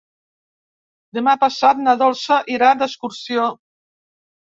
Demà passat na Dolça irà d'excursió.